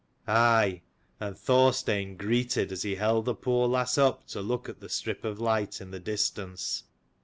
Aye, and Thorstein greeted as he held the poor lass up to look at the strip of light in the distance.